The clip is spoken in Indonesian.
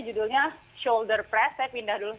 judulnya shoulder press saya pindah dulu